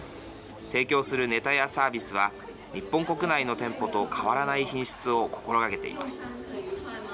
提供するネタやサービスは日本国内の店舗と変わらない品質を心がけています。